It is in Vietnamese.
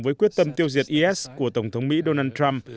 với quyết tâm tiêu diệt is của tổng thống mỹ donald trump